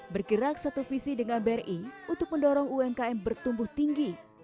bergerak satu visi dengan bri untuk mendorong umkm bertumbuh tinggi